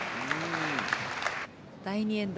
第２エンド。